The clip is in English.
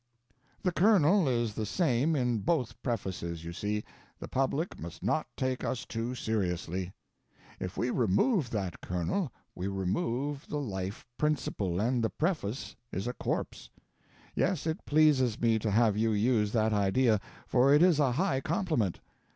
The kernel is the same in both prefaces, you see the public must not take us too seriously. If we remove that kernel we remove the life principle, and the preface is a corpse. Yes, it pleases me to have you use that idea, for it is a high compliment.